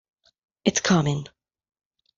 It's coming.